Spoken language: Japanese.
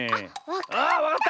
あっわかった！